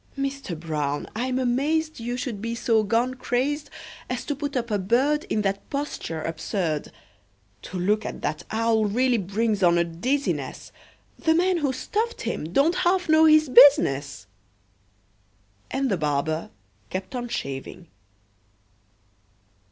Mister Brown, I'm amazed You should be so gone crazed As to put up a bird In that posture absurd! To look at that owl really brings on a dizziness; The man who stuffed him don't half know his business!" And the barber kept on shaving.